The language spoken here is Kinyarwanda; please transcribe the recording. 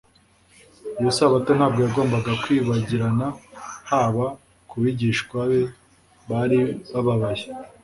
Iyo Sabato ntabwo yagombaga kwibagirana haba ku bigishwa be bari bababaye